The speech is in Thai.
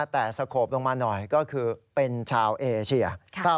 แต่สโขบลงมาหน่อยก็คือเป็นชาวเอเชีย